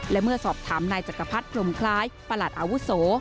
และเมื่อสอบถามนายจักรพรรมคล้ายประหลัดอาวุโส